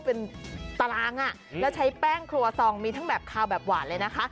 เป็นตารางอ่ะแล้วใช้แป้งครัวซองมีทั้งแบบคาวแบบหวานเลยนะคะ